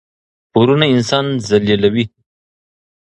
پورونه انسان ذلیلوي.